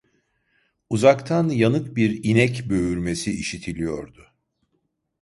Uzaktan yanık bir inek böğürmesi işitiliyordu.